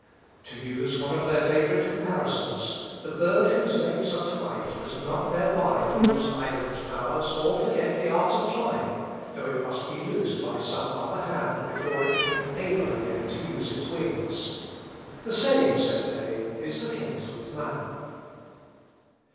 To use one of their favourite comparisons "the bird whose legs are tied does not thereby lose either its powers, or forget the art of flying, though it must be loosed by some other hand before it can be able again to use its wings." "The same," said they, "is the case with man."